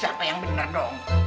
siapa yang bener dong